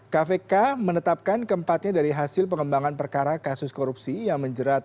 kpk menetapkan keempatnya dari hasil pengembangan perkara kasus korupsi yang menjerat